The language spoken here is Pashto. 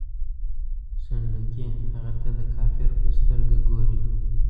سنډکي هغه ته د کافر په سترګه ګوري.